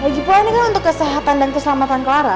lagi poinnya kan untuk kesehatan dan keselamatan clara